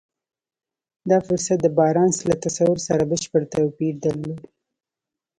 دا فرصت د بارنس له تصور سره بشپړ توپير درلود.